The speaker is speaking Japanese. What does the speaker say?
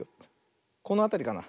このあたりかな。